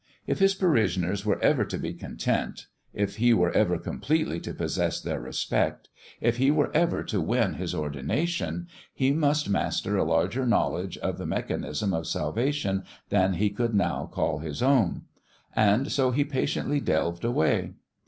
If his parishioners were ever to be content if he were ever completely to 154 FISr PLAY possess their respect if he were ever to win his ordination he must master a larger knowledge of the mechanism of salvation than he could now call his own. And so he patiently delved away.